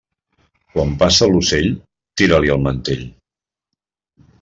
Quan passa l'ocell, tira-li el mantell.